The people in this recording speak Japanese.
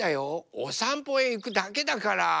おさんぽへいくだけだから。